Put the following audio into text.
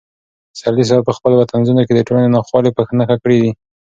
پسرلي صاحب په خپلو طنزونو کې د ټولنې ناخوالې په نښه کړې دي.